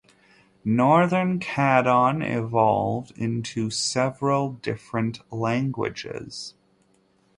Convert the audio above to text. Northern Caddoan evolved into several different languages.